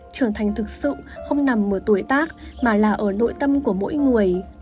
trở thành thực sự không nằm ở tuổi tác mà là ở nội tâm của mỗi người